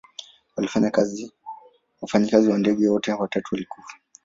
Wafanyikazi wa ndege wote watatu walikufa.